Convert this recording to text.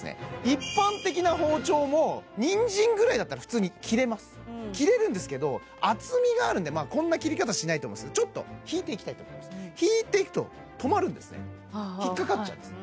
一般的な包丁もニンジンぐらいだったら普通に切れます切れるんですけど厚みがあるんでまあこんな切り方しないと思うんですけどちょっと引いていきたいと引いていくと止まるんですね引っ掛かっちゃうんです